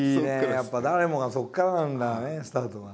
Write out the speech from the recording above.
やっぱ誰もがそこからなんだよねスタートが。